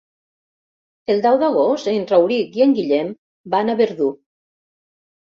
El deu d'agost en Rauric i en Guillem van a Verdú.